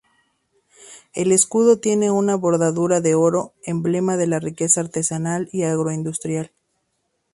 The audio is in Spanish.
El escudo tiene una bordura de oro, emblema de la riqueza artesanal y agroindustrial.